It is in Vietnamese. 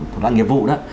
thủ đoạn nghiệp vụ đó